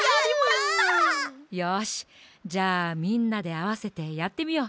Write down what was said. じゃあみんなであわせてやってみよう。